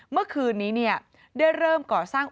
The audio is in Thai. เมื่อคืนนี้ได้เริ่มก่อสร้าง